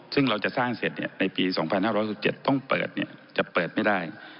ซึ่งเราจะสร้างเสร็จในปี๒๕๖๗ต้องเปิดจะเปิดไม่ได้